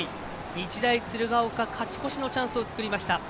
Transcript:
日大鶴ヶ丘勝ち越しのチャンスを作りました。